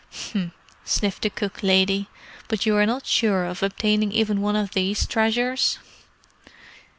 "H'm," sniffed the cook lady. "But you are not sure of obtaining even one of these treasures?"